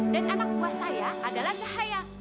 dan anak buah saya adalah cahaya